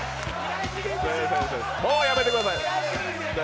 もうやめてください。